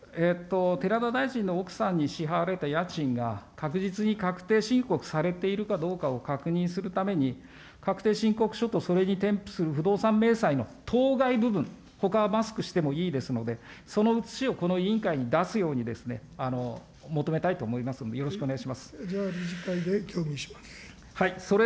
寺田大臣の奥さんに支払われた家賃が確実に確定申告されているかどうかを確認するために、確定申告書と、それに添付する不動産明細の当該部分、ほかはマスクしてもいいですので、これをこの委員会に出すように求めたいと思いますんで、よろしく理事会で協議します。